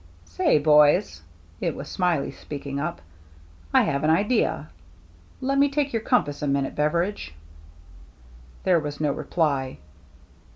" Say, boys," — it was Smiley speaking up, — "I have an idea. Let me take your com pass a minute, Beveridge." There was no reply.